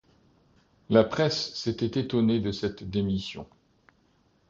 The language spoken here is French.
La presse s'était étonnée de cette démission.